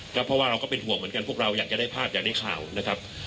เพราะว่าเราก็เป็นห่วงเหมือนกันพวกเราอยากจะได้ภาพอยากได้ข่าวนะครับ